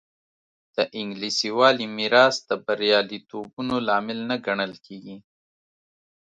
د انګلیسي والي میراث د بریالیتوبونو لامل نه ګڼل کېږي.